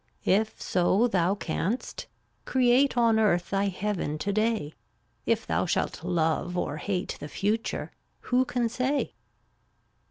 If so thou canst, create On earth thy heaven to day; If thou shalt love or hate The future, who can say?